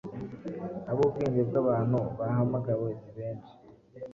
Ab’ubwenge bw’abantu bahamagawe si benshi;